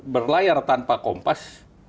berlayar tanpa kompas